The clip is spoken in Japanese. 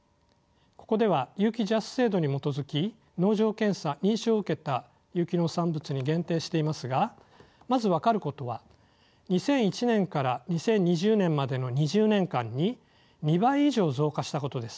ここでは有機ＪＡＳ制度に基づき農場検査認証を受けた有機農産物に限定していますがまず分かることは２００１年から２０２０年までの２０年間に２倍以上増加したことです。